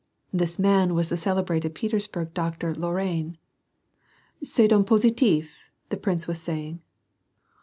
This man was the celebrated Petersburg Doctor Lorrain. ^^ (Test done positif? " the prince was saying.